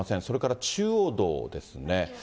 それから中央道ですね。